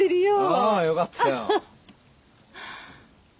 ああよかったよ。